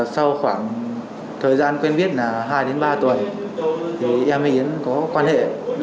sau khoảng thời gian quen biết là hai ba tuần em với yến có quan hệ